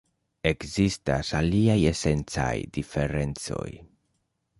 Ekzistas aliaj esencaj diferencoj.